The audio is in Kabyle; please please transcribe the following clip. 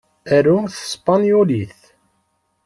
Arumt s tespenyulit.